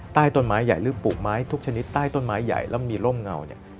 ใต้ต้นไม้ใหญ่หรือปลูกไม้ทุกชนิดใต้ต้นไม้ใหญ่แล้วมีร่มเงาเนี่ย